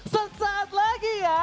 sesaat lagi ya